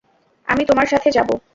আমি তোমার সাথে যাবো।